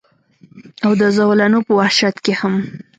او د زولنو پۀ وحشت کښې هم